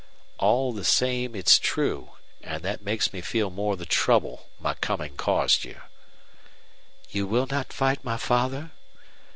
"All the same it's true. And that makes me feel more the trouble my coming caused you." "You will not fight my father?"